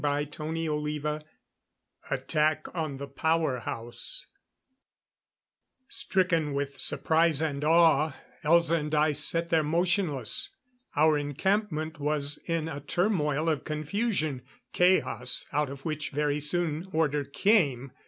CHAPTER XXXV Attack on the Power House Stricken with surprise and awe, Elza and I sat there motionless. Our encampment was in a turmoil of confusion chaos, out of which very soon order came.